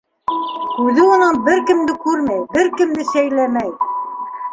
Күҙе уның бер кемде күрмәй, бер кемде шәйләмәй.